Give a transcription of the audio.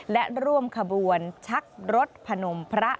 และร่วมขบวนชักรถพนมพระ